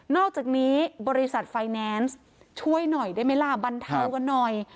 อกจากนี้บริษัทไฟแนนซ์ช่วยหน่อยได้ไหมล่ะบรรเทากันหน่อย